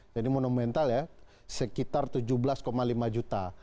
jadi monumental ya sekitar tujuh belas lima juta